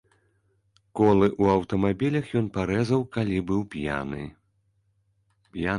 Колы ў аўтамабілях ён парэзаў, калі быў п'яны.